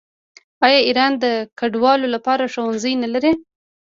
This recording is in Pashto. آیا ایران د کډوالو لپاره ښوونځي نلري؟